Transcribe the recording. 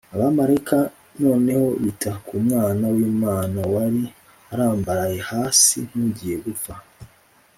. Abamarayika noneho bita ku Mwana w’Imana wari arambaraye hasi nk’ugiye gupfa